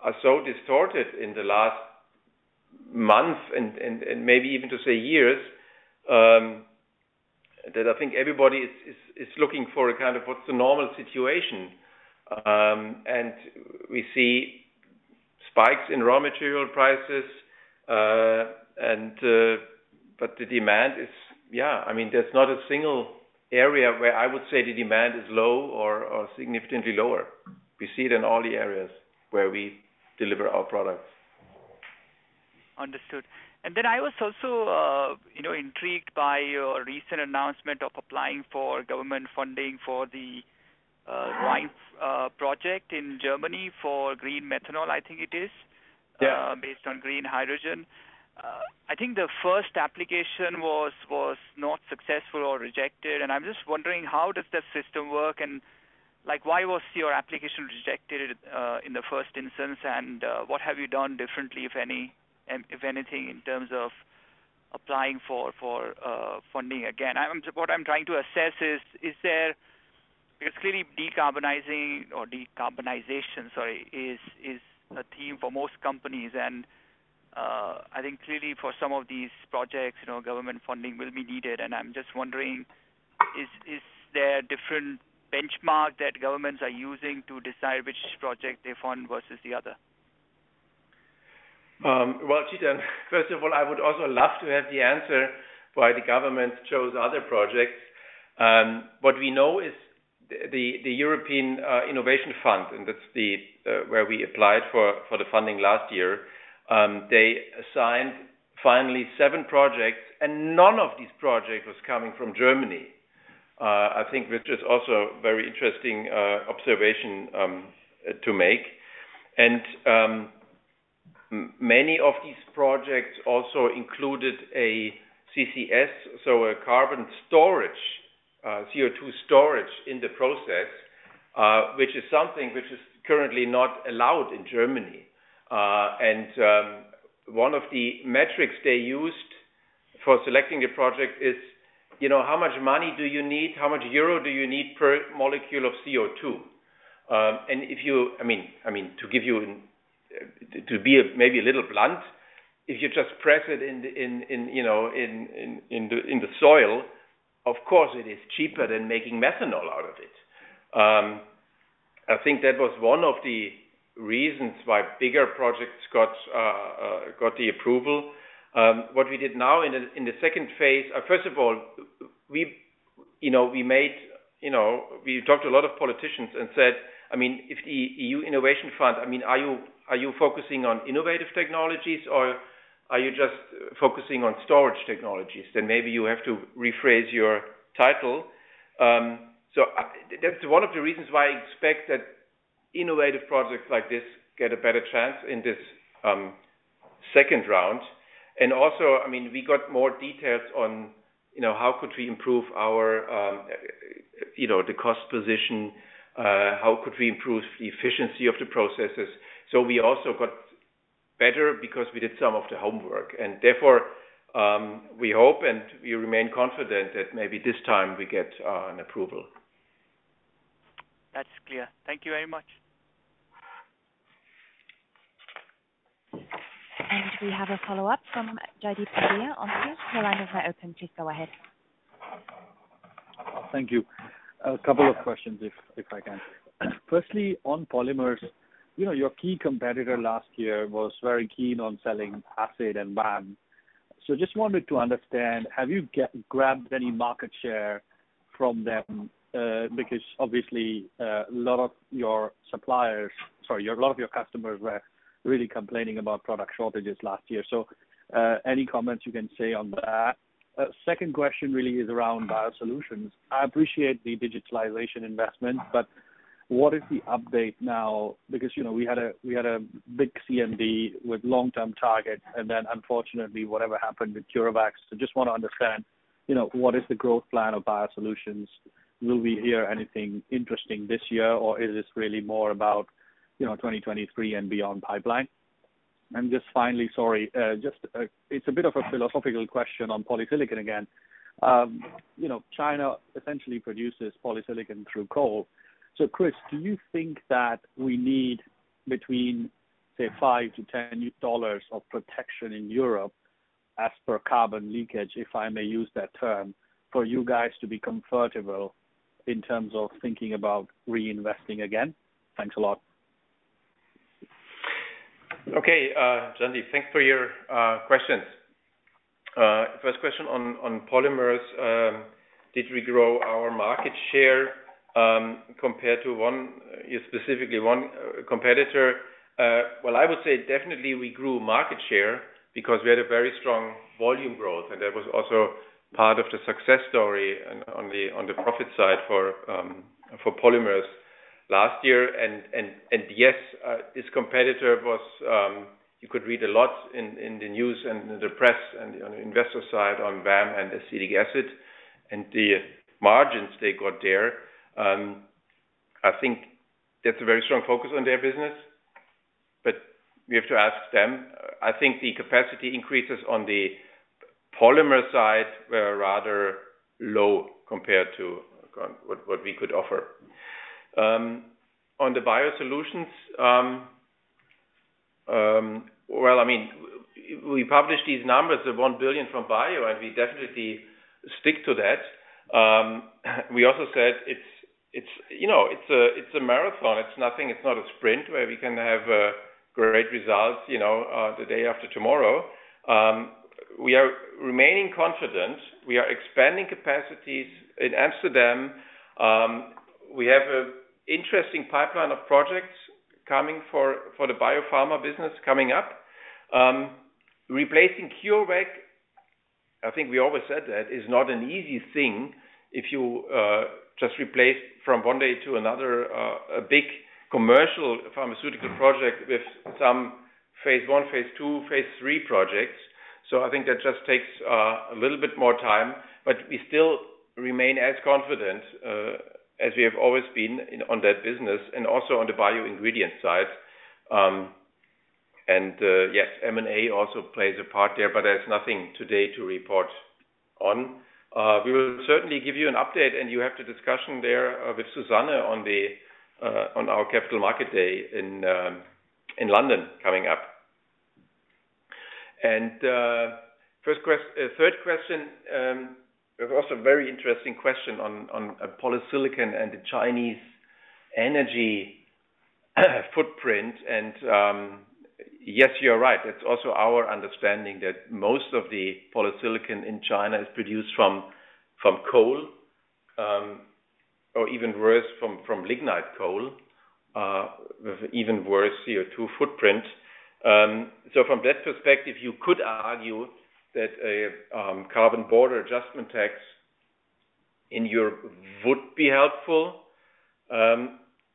are so distorted in the last month and maybe even to say years, that I think everybody is looking for a kind of what's the normal situation. We see spikes in raw material prices. The demand is, yeah, I mean, there's not a single area where I would say the demand is low or significantly lower. We see it in all the areas where we deliver our products. Understood. I was also, you know, intrigued by your recent announcement of applying for government funding for the RHYME project in Germany for green methanol, I think it is. Yeah. Based on green hydrogen. I think the first application was not successful or rejected. I'm just wondering, how does the system work? Like, why was your application rejected in the first instance? What have you done differently, if any, if anything, in terms of applying for funding again? What I'm trying to assess is there. Because clearly, decarbonizing or decarbonization, sorry, is a theme for most companies. I think clearly for some of these projects, you know, government funding will be needed. I'm just wondering, is there different benchmark that governments are using to decide which project they fund versus the other? Well, Chetan, first of all, I would also love to have the answer why the government chose other projects. What we know is the EU Innovation Fund, and that's where we applied for the funding last year. They assigned finally seven projects, and none of these projects was coming from Germany. I think this is also very interesting observation to make. Many of these projects also included a CCS, so a carbon storage, CO2 storage in the process, which is something which is currently not allowed in Germany. One of the metrics they used for selecting a project is, you know, how much money do you need? How much EUR do you need per molecule of CO2? If you just press it in the soil, of course, it is cheaper than making methanol out of it. I think that was one of the reasons why bigger projects got the approval. What we did now in the second phase. First of all, we talked to a lot of politicians and said, "I mean, if the EU Innovation Fund, I mean, are you focusing on innovative technologies, or are you just focusing on storage technologies? Maybe you have to rephrase your title." That's one of the reasons why I expect that innovative projects like this get a better chance in this second round. Also, I mean, we got more details on, you know, how could we improve our, you know, the cost position? How could we improve the efficiency of the processes? We also got better because we did some of the homework. Therefore, we hope and we remain confident that maybe this time we get an approval. That's clear. Thank you very much. We have a follow-up from Jaideep Pandya on the line. The line is now open. Please go ahead. Thank you. A couple of questions, if I can. Firstly, on Polymers, you know, your key competitor last year was very keen on selling acid and VAM. Just wanted to understand, have you grabbed any market share from them? Because obviously, a lot of your customers were really complaining about product shortages last year. Any comments you can say on that? Second question really is around Biosolutions. I appreciate the digitalization investment, but what is the update now? Because, you know, we had a big CMD with long-term targets, and then unfortunately, whatever happened with CureVac. Just want to understand, you know, what is the growth plan of Biosolutions? Will we hear anything interesting this year, or is this really more about, you know, 2023 and beyond pipeline? Just finally, sorry, it's a bit of a philosophical question on Polysilicon again. You know, China essentially produces Polysilicon through coal. Chris, do you think that we need between, say, $5-$10 of protection in Europe as per carbon leakage, if I may use that term, for you guys to be comfortable in terms of thinking about reinvesting again? Thanks a lot. Okay, Jaideep, thanks for your questions. First question on Polymers, did we grow our market share, compared to specifically one competitor? Well, I would say definitely we grew market share because we had a very strong volume growth, and that was also part of the success story on the profit side for Polymers last year. Yes, this competitor was, you could read a lot in the news and the press and on the investor side on VAM and acetic acid and the margins they got there. I think that's a very strong focus on their business, but we have to ask them. I think the capacity increases on the Polymer side were rather low compared to what we could offer. On the Biosolutions, well, I mean, we publish these numbers of 1 billion from bio, and we definitely stick to that. We also said it's, you know, it's a, it's a marathon. It's not a sprint where we can have great results, you know, the day after tomorrow. We are remaining confident. We are expanding capacities in Amsterdam. We have an interesting pipeline of projects coming for the biopharma business coming up. Replacing CureVac, I think we always said that is not an easy thing if you just replace from one day to another a big commercial pharmaceutical project with some phase one, phase two, phase three projects. I think that just takes a little bit more time, but we still remain as confident as we have always been on that business and also on the bio-ingredient side. Yes, M&A also plays a part there, but there's nothing today to report. On, we will certainly give you an update, and you have the discussion there with Susanne on our capital market day in London coming up. Third question, it was also very interesting question on Polysilicon and the Chinese energy footprint. Yes, you're right. It's also our understanding that most of the Polysilicon in China is produced from coal, or even worse, from lignite coal with even worse CO₂ footprint. From that perspective, you could argue that a Carbon Border Adjustment tax in Europe would be helpful.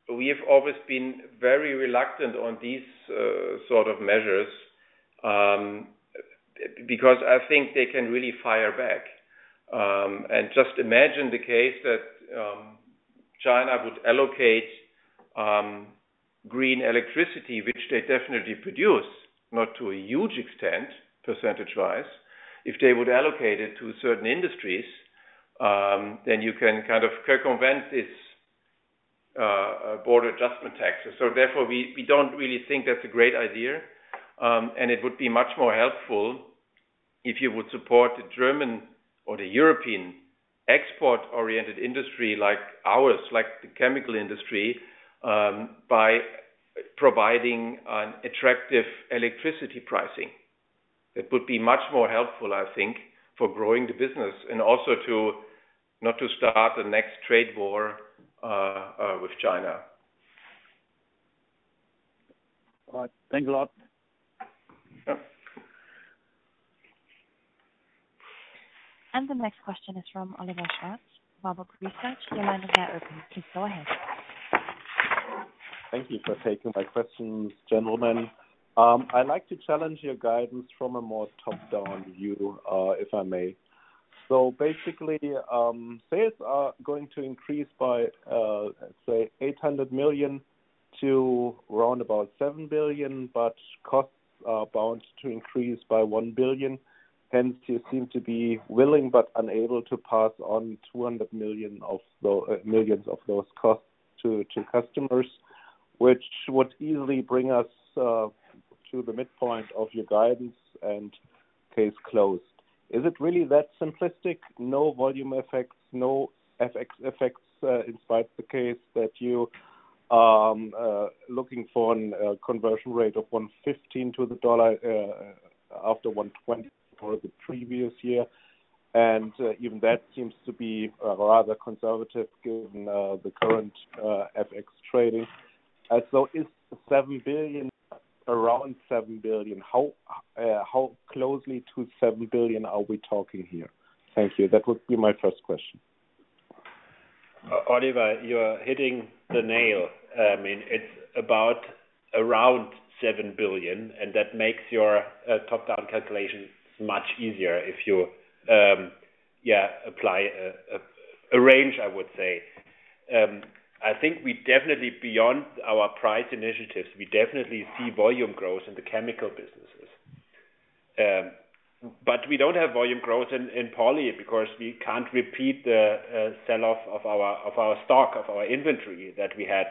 We have always been very reluctant on these sort of measures because I think they can really fire back. Just imagine the case that China would allocate green electricity, which they definitely produce, not to a huge extent, percentage-wise. If they would allocate it to certain industries, then you can kind of circumvent its Border Adjustment taxes. Therefore, we don't really think that's a great idea. It would be much more helpful if you would support the German or the European export-oriented industry like ours, like the chemical industry, by providing an attractive electricity pricing. It would be much more helpful, I think, for growing the business and also to, not to start the next trade war with China. All right. Thanks a lot. Yep. The next question is from Oliver Schwarz, Warburg Research. Your line is now open. Please go ahead. Thank you for taking my questions, gentlemen. I like to challenge your guidance from a more top-down view, if I may. Basically, sales are going to increase by, let's say, 800 million to around about 7 billion, but costs are bound to increase by 1 billion. Hence, you seem to be willing but unable to pass on 200 million of millions of those costs to customers, which would easily bring us to the midpoint of your guidance and case closed. Is it really that simplistic? No volume effects, no FX effects, in spite the case that you are looking for an conversion rate of 1.15 to the dollar, after 1.20 for the previous year. Even that seems to be rather conservative given the current FX trading. Is the 7 billion around 7 billion? How closely to 7 billion are we talking here? Thank you. That would be my first question. Oliver, you are hitting the nail. I mean, it's about around 7 billion. That makes your top-down calculations much easier if you, yeah, apply a range, I would say. I think we definitely, beyond our price initiatives, we definitely see volume growth in the chemical businesses. We don't have volume growth in Poly because we can't repeat the sell-off of our stock, of our inventory that we had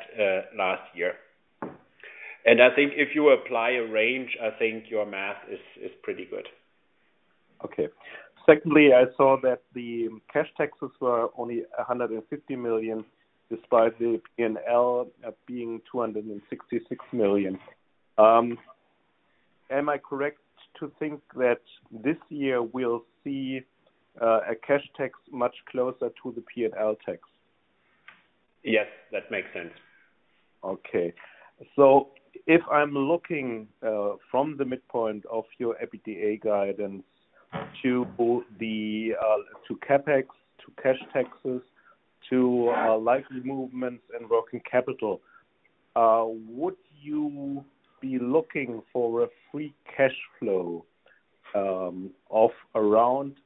last year. I think if you apply a range, I think your math is pretty good. Secondly, I saw that the cash taxes were only 150 million, despite the P&L being 266 million. Am I correct to think that this year we'll see a cash tax much closer to the P&L tax? Yes, that makes sense. If I'm looking from the midpoint of your EBITDA guidance to the to CapEx, to cash taxes, to likely movements and working capital, would you be looking for a free cash flow of around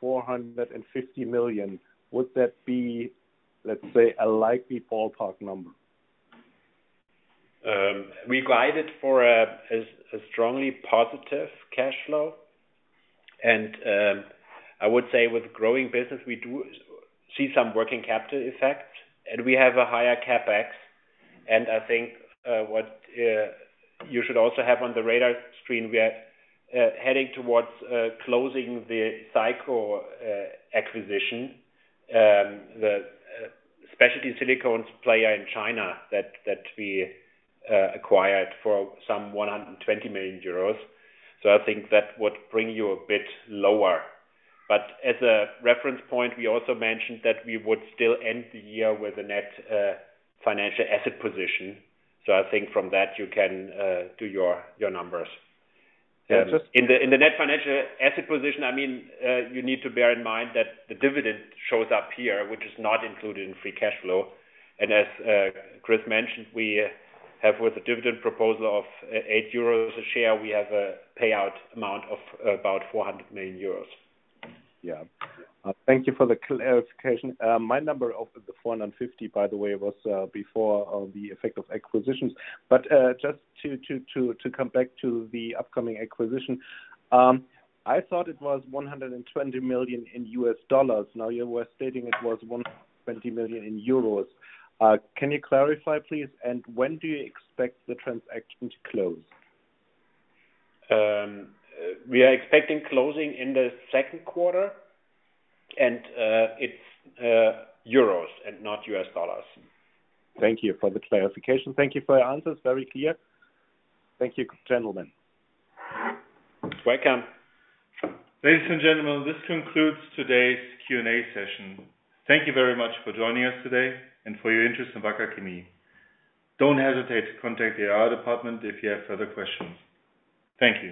450 million? Would that be, let's say, a likely ballpark number? We guided for a strongly positive cash flow. I would say with growing business, we do see some working capital effect, and we have a higher CapEx. I think what you should also have on the radar screen, we are heading towards closing the SICO acquisition, the specialty silicones player in China that we acquired for some 120 million euros. I think that would bring you a bit lower. As a reference point, we also mentioned that we would still end the year with a net financial asset position. I think from that you can do your numbers. Yes. In the net financial asset position, I mean, you need to bear in mind that the dividend shows up here, which is not included in free cash flow. As Chris mentioned, we have with a dividend proposal of 8 euros a share, we have a payout amount of about 400 million euros. Yeah. Thank you for the clarification. My number of the 450, by the way, was before the effect of acquisitions. Just to come back to the upcoming acquisition, I thought it was $120 million in US dollars. Now you were stating it was 120 million in euros. Can you clarify, please? When do you expect the transaction to close? We are expecting closing in the Q2, and it's euros and not US dollars. Thank you for the clarification. Thank you for your answers. Very clear. Thank you, gentlemen. Welcome. Ladies and gentlemen, this concludes today's Q&A session. Thank you very much for joining us today and for your interest in Wacker Chemie. Don't hesitate to contact the IR department if you have further questions. Thank you.